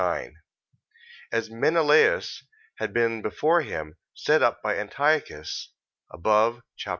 9,) as Menelaus had been before him, set up by Antiochus, (above chap.